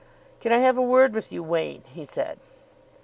"Can I have a word with you, Wain?" he said.